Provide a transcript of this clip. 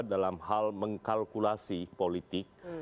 dalam hal mengkalkulasi politik